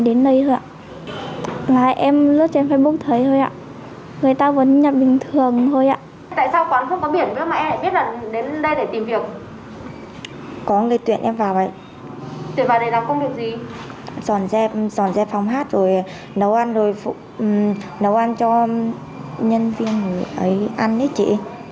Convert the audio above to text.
dọn dẹp dọn dẹp phòng hát rồi nấu ăn rồi nấu ăn cho nhân viên ấy ăn đấy chị